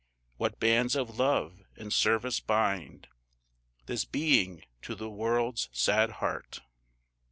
What bands of love and service bind This being to the world's sad heart?